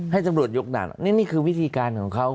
ให้ตำรวจยกด่านนี่คือวิธีการของเขา